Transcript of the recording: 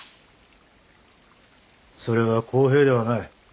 それは公平ではない。